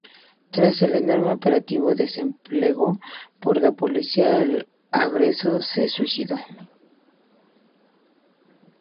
Tras el enorme operativo desplegado por la policía, el agresor se suicidó.